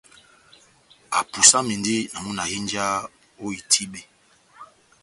Apusamindi na mɔ́ na hínjaha ó itíbe.